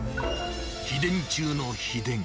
秘伝中の秘伝。